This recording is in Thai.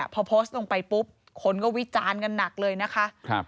พอโพสต์ลงไปปุ๊บคนก็วิจารณ์กันหนักเลยนะคะ